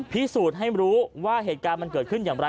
พิสูจน์ให้รู้ว่าตอนหึงเกิดขึ้นอย่างไร